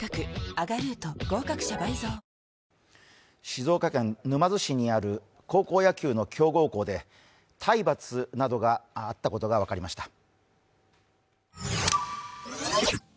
静岡県沼津市にある高校野球の強豪校で体罰などがあったことが分かりました。